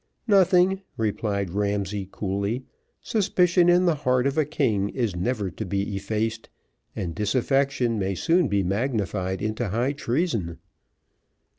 "Nothing," replied Ramsay, coolly. "Suspicion in the heart of a king is never to be effaced, and disaffection may soon be magnified into high treason."